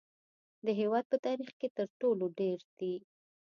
د هیواد په تاریخ کې تر ټولو ډیر دي